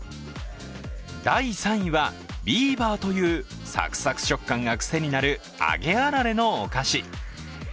第３位は、ビーバーというサクサク食感が癖になる揚げあられのお菓子。